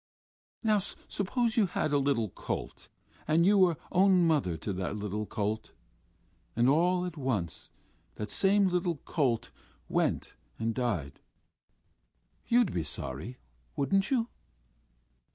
Now, suppose you had a little colt, and you were own mother to that little colt. ... And all at once that same little colt went and died.... You'd be sorry, wouldn't you?..."